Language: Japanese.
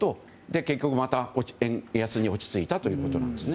で、結局、また円安に落ち着いたということです。